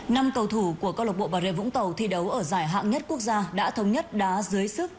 năm cầu thủ của công an tp bà rê vũng tàu thi đấu ở giải hạng nhất quốc gia đã thống nhất đá dưới sức